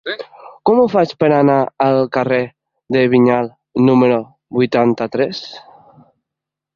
Com ho faig per anar al carrer de Vinyals número vuitanta-tres?